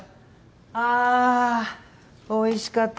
あおいしかった。